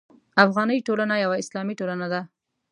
افغاني ټولنه یوه اسلامي ټولنه ده.